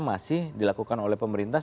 masih dilakukan oleh pemerintah